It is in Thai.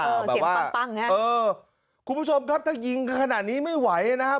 เออเดี๋ยวปั้งปั้งเออคุณผู้ชมครับถ้ายิงขนาดนี้ไม่ไหวนะครับ